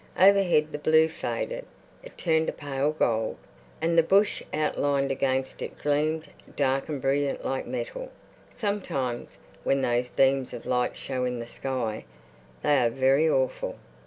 Overhead the blue faded; it turned a pale gold, and the bush outlined against it gleamed dark and brilliant like metal. Sometimes when those beams of light show in the sky they are very awful.